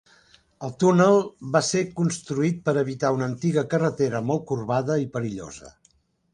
El túnel va ser construït per evitar una antiga carretera molt corbada i perillosa.